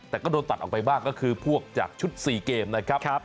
แต่ก็โดนตัดออกไปบ้างก็คือพวกจากชุด๔เกมนะครับ